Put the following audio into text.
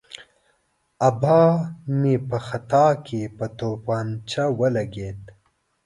آبا مې په خطا کې په تومانچه ولګېد.